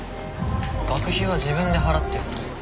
学費は自分で払ってると。